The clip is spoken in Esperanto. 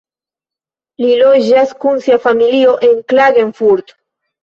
Li loĝas kun sia familio en Klagenfurt.